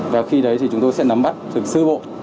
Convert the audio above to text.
và khi đấy thì chúng tôi sẽ nắm bắt thực sự bộ